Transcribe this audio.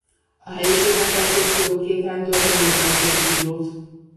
A helyiségben tartózkodó két rendőr lőni kezdi a kígyót.